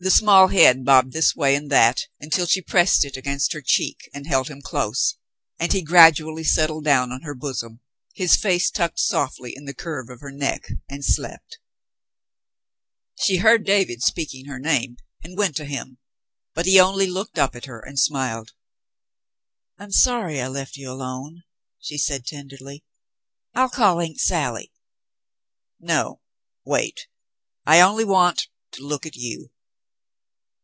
The small head bobbed this way and that until she pressed it against her cheek and held him close, and he gradually settled down on her bosom, his face tucked softly in the curve of her neck, and slept. She heard David speaking her name and went to him, but he only looked up at her and smiled. "I'm sorry I left you alone," she said tenderly; "I'll call Aunt Sally." ^ "No — wait — I only want — to look at you."